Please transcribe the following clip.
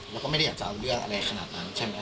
แล้วก็ไม่ได้อยากจะเอาเรื่องอะไรขนาดนั้นใช่ไหม